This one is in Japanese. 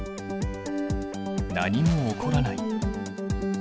何も起こらない。